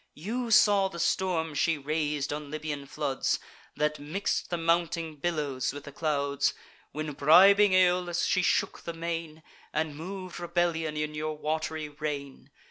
You saw the storm she rais'd on Libyan floods, That mix'd the mounting billows with the clouds; When, bribing Aeolus, she shook the main, And mov'd rebellion in your wat'ry reign.